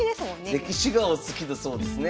歴史がお好きだそうですね。